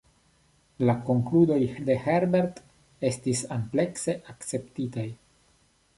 La konkludoj de Herbert estis amplekse akceptitaj.